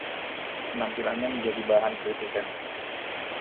Penampilannya menjadi bahan kritikan.